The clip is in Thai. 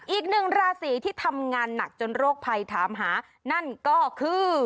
อีกหนึ่งราศีที่ทำงานหนักจนโรคภัยถามหานั่นก็คือ